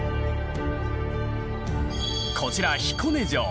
こちら彦根城